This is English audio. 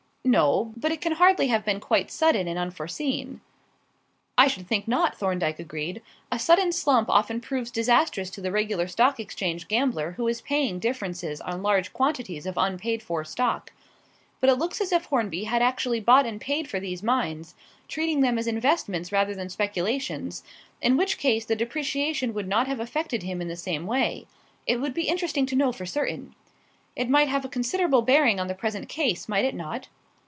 "No. But it can hardly have been quite sudden and unforeseen." "I should think not," Thorndyke agreed. "A sudden slump often proves disastrous to the regular Stock Exchange gambler who is paying differences on large quantities of unpaid for stock. But it looks as if Hornby had actually bought and paid for these mines, treating them as investments rather than speculations, in which case the depreciation would not have affected him in the same way. It would be interesting to know for certain." "It might have a considerable bearing on the present case, might it not?"